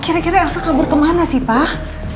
kira kira aksa kabur kemana sih pak